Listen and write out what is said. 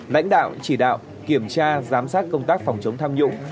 lãnh đạo chỉ đạo kiểm tra giám sát công tác phòng chống tham nhũng